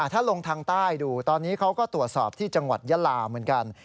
ถ้าลงทางใต้ดูตอนนี้เขาก็ตรวจสอบที่จังหวัดยาลาเหมือนกัน